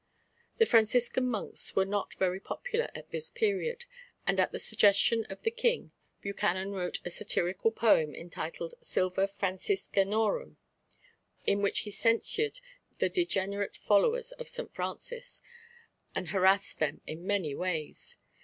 The Franciscan monks were not very popular at this period, and at the suggestion of the King Buchanan wrote a satirical poem entitled Silva Franciscanorum, in which he censured the degenerate followers of St. Francis, and harassed them in many ways.